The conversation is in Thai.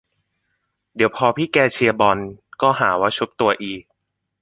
เดี๋ยวพอพี่แกเชียร์บอลก็หาว่าชุบตัวอีก